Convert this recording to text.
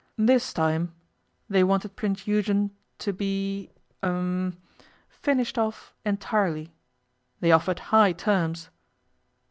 This time they wanted Prince Eugen to be em finished off entirely. They offered high terms.